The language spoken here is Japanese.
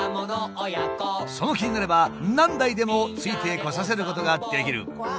その気になれば何台でもついてこさせることができる。